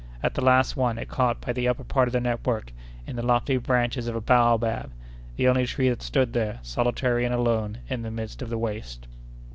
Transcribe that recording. At the last one, it caught by the upper part of the network in the lofty branches of a baobab, the only tree that stood there, solitary and alone, in the midst of the waste.